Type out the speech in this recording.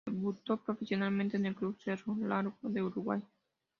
Debutó profesionalmente en el club Cerro Largo de Uruguay.